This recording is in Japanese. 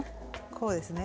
こうですね。